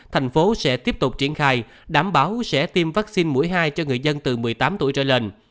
thành phố sẽ tiếp tục triển khai đảm bảo sẽ tiêm vaccine mũi hai cho người dân từ một mươi tám tuổi trở lên